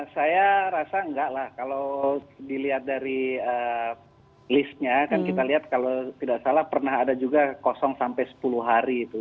saya rasa enggak lah kalau dilihat dari listnya kan kita lihat kalau tidak salah pernah ada juga kosong sampai sepuluh hari itu